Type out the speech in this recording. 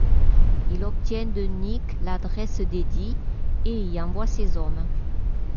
Il obtient de Nick l'adresse d'Eddie et y envoie ses hommes.